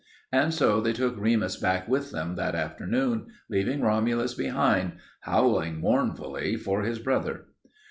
And so they took Remus back with them that afternoon, leaving Romulus behind, howling mournfully for his brother.